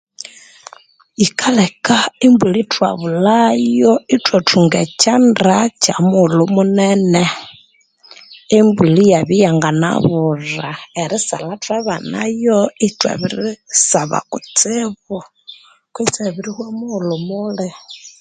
Yikaleka embulha ithwabulhayo thwathunga ekyanda kyamuhulhu munene, embulha iyabya iyanganabulha, erisalha ithwabanayo ithwabirisaba kutsibu kwitsi ahabirihwa muhulhu muli.